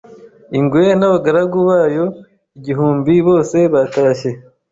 Ingwe n'abagaragu bayo igihumbi bose batashye